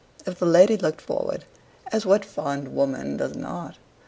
If the lady looked forward as what fond woman does not?